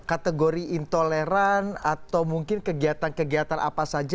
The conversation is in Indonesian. kategori intoleran atau mungkin kegiatan kegiatan apa saja